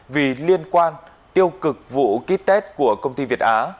vì liên quan tiêu cực vụ ký tết của công ty việt á